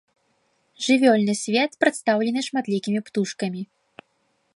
Жывёльны свет прадстаўлены шматлікімі птушкамі.